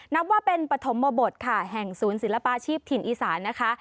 นับว่าเป็นปฐมบทค่ะแห่งศูนย์ศิลปาชีพถิ่นอีสานนะคะ